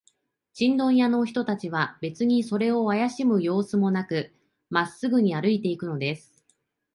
チンドン屋の人たちは、べつにそれをあやしむようすもなく、まっすぐに歩いていくのです。